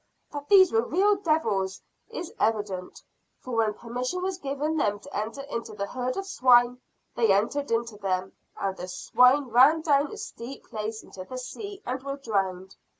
That these were real devils is evident for when permission was given them to enter into the herd of swine, they entered into them, and the swine ran down a steep place into the sea and were drowned.